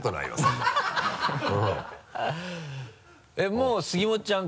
もう杉本ちゃん